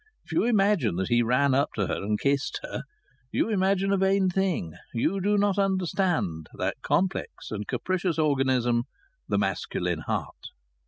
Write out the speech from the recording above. If you imagine that he ran up to her and kissed her you imagine a vain thing; you do not understand that complex and capricious organism, the masculine heart.